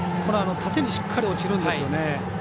縦にしっかり落ちるんですよね。